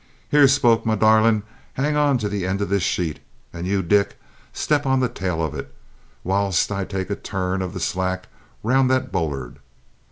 "Here, Spoke, me darlint, hang on to the end of this sheet and you, Dick, step on to the tail of it, whilst I take a turn of the slack round that bollard!